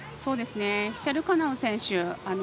シチャルカナウ選手